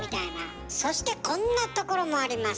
そしてこんなところもあります。